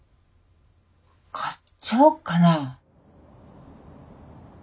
買っちゃおうかな。